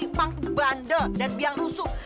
impang bandel dan biang rusuk